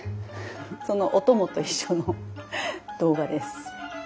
そのオトモと一緒の動画です。